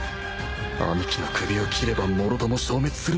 兄貴の首を斬ればもろとも消滅するのか？